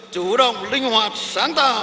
chủ động linh hoạt sáng tạo